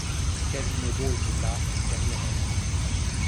Quasimodo était là, derrière elle.